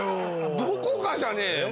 「どこが」じゃねえよ